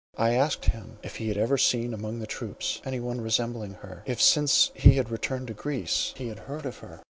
I asked him, if he had ever seen among the troops any one resembling her; if since he had returned to Greece he had heard of her?